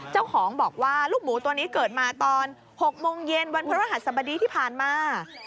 เจ้าของบอกว่าลูกหมูตัวนี้เกิดมาตอน๖โมงเย็นวันพระรหัสบดีที่ผ่านมา